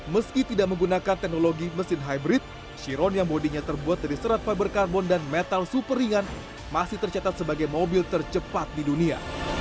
meski tidak menggunakan teknologi mesin hybrid chiron yang bodinya terbuat dari serat fiberkarbon dan metal super ringan masih tercatat sebagai mobil tercepat di dunia